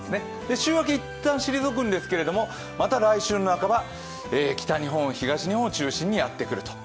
週明けいったん退くんですけれども、また来週の半ば、北日本、東日本を中心にやってくると。